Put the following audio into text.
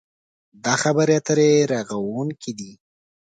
دا خبرې اترې رغوونکې دي.